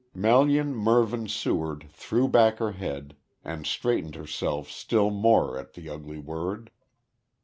Melian Mervyn Seward threw back her head, and straightened herself still more at the ugly word.